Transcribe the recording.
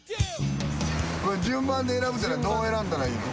これ順番で選ぶっていうのはどう選んだらいいの？